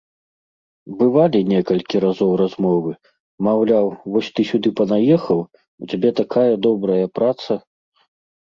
Бывалі некалькі разоў размовы, маўляў, вось ты сюды панаехаў, у цябе такая добрая праца.